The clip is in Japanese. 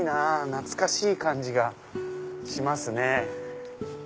懐かしい感じがしますね。